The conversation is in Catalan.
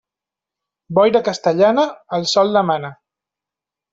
Boira castellana, el sol demana.